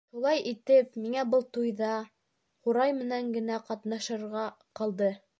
Шулай итеп, миңә был туйҙа ҡурай менән генә ҡатнашырға ҡалды.